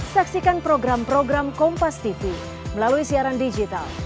saksikan program program kompastv melalui siaran digital